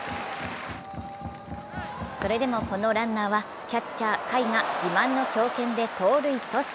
それでも、このランナーはキャッチャー・甲斐が自慢の強肩で盗塁阻止。